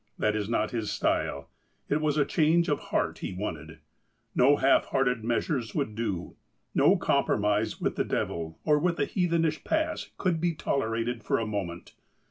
That is not his style : it was a change of heart he wanted. No half hearted measures would do. No compromise with the devil, or with the heathenish past, could be tolerated for a moment.